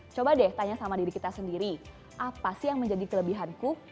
coba deh tanya sama diri kita sendiri apa sih yang menjadi kelebihanku